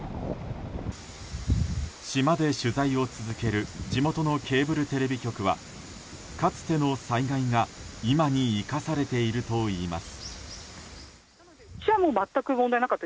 島で取材を続ける地元のケーブルテレビ局はかつての災害が今に生かされているといいます。